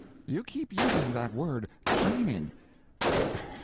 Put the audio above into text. You keep using that word—training.